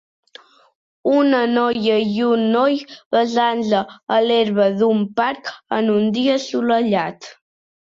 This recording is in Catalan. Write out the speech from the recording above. Una noia i un noi besant-se a l'herba d'un parc en un dia assolellat.